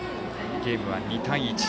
ゲームは２対１。